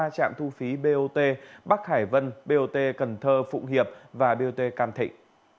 ba trạm thu phí bot bắc hải vân bot cần thơ phụng hiệp và bot cam thịnh